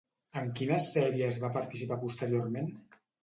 En quines sèries va participar posteriorment?